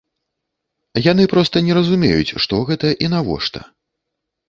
Яны проста не разумеюць, што гэта і навошта.